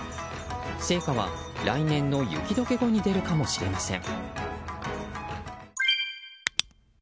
成果は来年の雪解け後に出るかもしれません。